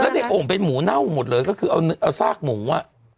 ในโอ่งเป็นหมูเน่าหมดเลยก็คือเอาซากหมูอ่ะ